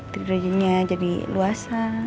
tidurnya jadi luasa